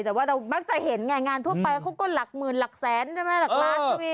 แต่ว่าเรามักจะเห็นไงงานทั่วไปเขาก็หลักหมื่นหลักแสนใช่ไหมหลักล้านก็มี